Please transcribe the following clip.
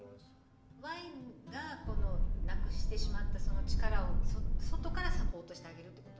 ワインがなくしてしまったその力を外からサポートしてあげるってこと。